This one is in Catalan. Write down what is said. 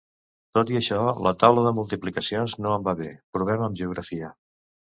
Tot i això, la taula de multiplicacions no em va bé; provem amb geografia.